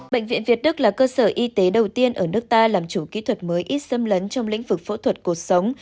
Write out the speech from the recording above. bệnh viện việt đức là cơ sở y tế đầu tiên ở nước ta làm chủ kỹ thuật mới ít xâm lấn trong lĩnh vực phẫu thuật cuộc sống